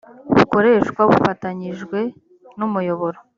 bukoreshwa bufatanyijwe n’umuyoboro